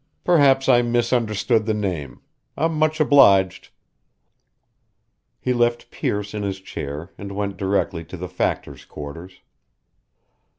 Perhaps I misunderstood the name. I'm much obliged." He left Pearce in his chair and went directly to the factor's quarters.